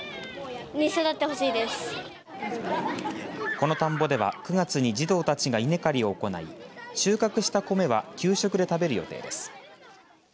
この田んぼでは９月に児童たちが稲刈りを行い収穫した米は給食で食べる予定です。